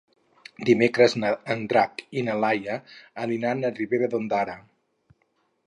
Dimecres en Drac i na Lia aniran a Ribera d'Ondara.